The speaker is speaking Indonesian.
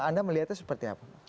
anda melihatnya seperti apa